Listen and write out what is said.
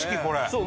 そう。